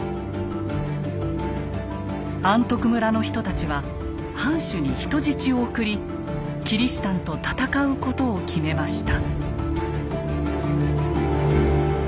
安徳村の人たちは藩主に人質を送りキリシタンと戦うことを決めました。